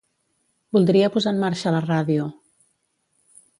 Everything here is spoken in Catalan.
Voldria posar en marxa la ràdio.